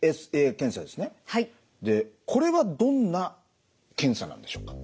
でこれはどんな検査なんでしょうか？